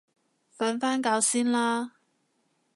瞓返覺先啦